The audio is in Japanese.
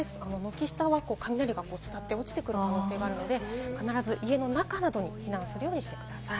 軒下は雷が伝って落ちてくる可能性があるので、必ず家の中などに避難するようにしてください。